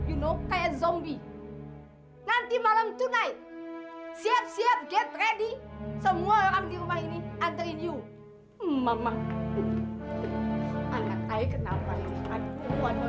anak saya kenapa ini anterin mamamu